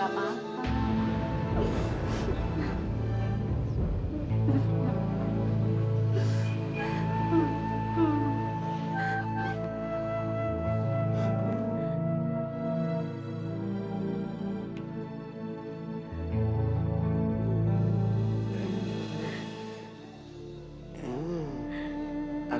mama jangan sedih pak